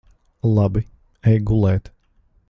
Labi. Ej gulēt.